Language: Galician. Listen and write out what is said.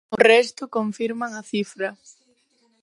O resto confirman a cifra.